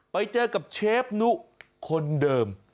ไปเจอกับเชฟนุคนเดิม